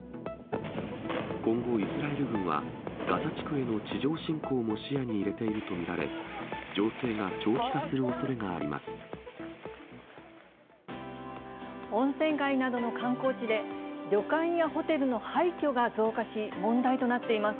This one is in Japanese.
今後、イスラエル軍は、ガザ地区への地上侵攻も視野に入れていると見られ、情勢が長期化温泉街などの観光地で、旅館やホテルの廃虚が増加し、問題となっています。